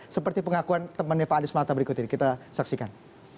seperti pengakuan temannya pak anies mata berikut ini kita saksikan